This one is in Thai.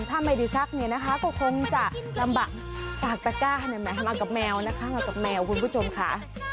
ถ้าไม่ได้ซักเนี่ยนะคะก็คงจะลำบากสากตะก้าหน่อยมากับแมวนะคะมากับแมวคุณผู้ชมค่ะ